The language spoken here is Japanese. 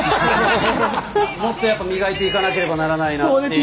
もっとやっぱ磨いていかなければならないなっていう。